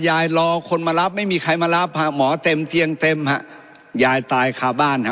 รอคนมารับไม่มีใครมารับฮะหมอเต็มเตียงเต็มฮะยายตายคาบ้านฮะ